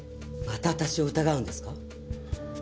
また私を疑うんですか？